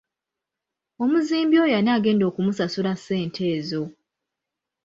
Omuzimbi oyo ani agenda okumusasula ssente ezo?